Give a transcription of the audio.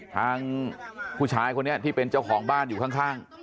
ทางผู้ชายคนนี้ที่เป็นเจ้าของบ้านอยู่ข้าง